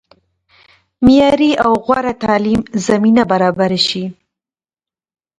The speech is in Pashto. معیاري او غوره تعلیم زمینه برابره شي.